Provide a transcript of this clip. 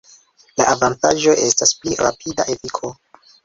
La avantaĝo estas pli rapida efiko.